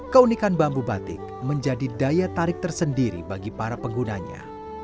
keunikan bambu batik menjadi daya tarik tersendiri bagi para penggunanya